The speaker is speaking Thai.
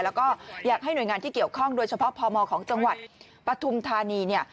แล้วก็อยากให้หน่วยงานที่เกี่ยวข้องโดยเฉพาะพมของจังหวัดปฐุมธานีเนี่ย